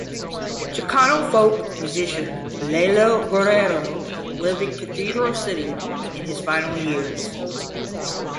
Chicano folk musician Lalo Guerrero lived in Cathedral City in his final years.